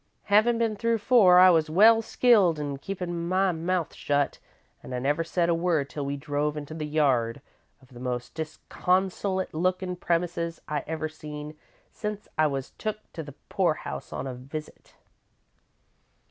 Havin' been through four, I was well skilled in keepin' my mouth shut, an' I never said a word till we drove into the yard of the most disconsolate lookin' premises I ever seen since I was took to the poorhouse on a visit.